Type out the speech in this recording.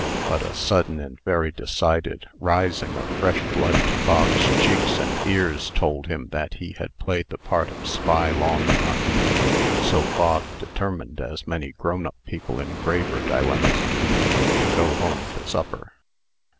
But a sudden and very decided rising of fresh blood to Bog's cheeks and ears told him that he had played the part of spy long enough. So Bog determined as many grown up people in graver dilemmas do to go home to supper.